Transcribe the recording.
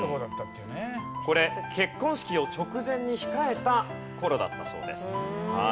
これ結婚式を直前に控えた頃だったそうです。